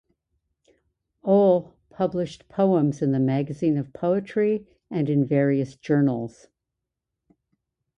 Ohl published poems in the "Magazine of Poetry" and in various journals.